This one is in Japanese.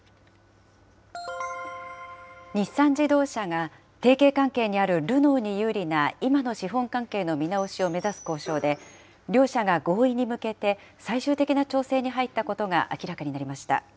日産自動車が提携関係にあるルノーに有利な今の資本関係の見直しを目指す交渉で、両社が合意に向けて、最終的な調整に入ったことが明らかになりました。